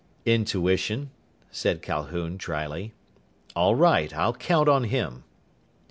"Intuition," said Calhoun dryly. "All right. I'll count on him."